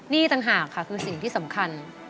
นี่ต่างหากค่ะคือสิ่งที่สำคัญ